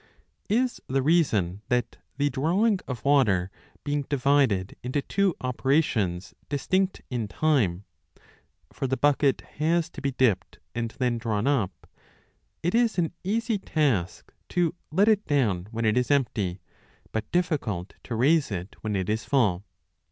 Is the reason that, the drawing of water being divided into two operations distinct in time (for the bucket has to be clipped and then drawn up), it is an easy task to let it down when it is empty, but difficult to raise it when it is full